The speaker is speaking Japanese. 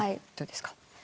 どうですか？